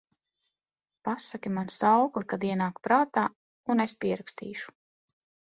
Pasaki man saukli, kad ienāk prātā, un es pierakstīšu…